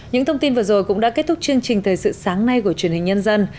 những thông tin vừa rồi cũng đã kết thúc chương trình thời sự sáng nay của truyền hình nhân dân